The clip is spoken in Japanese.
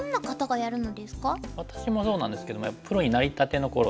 私もそうなんですけどもプロになりたての頃とか。